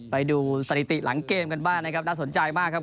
ไปดูสถิติหลังเกมกันบ้างนะครับน่าสนใจมากครับ